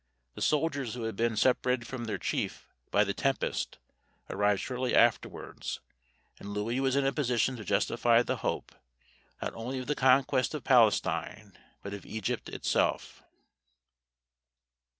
The soldiers who had been separated from their chief by the tempest arrived shortly afterwards; and Louis was in a position to justify the hope, not only of the conquest of Palestine, but of Egypt itself.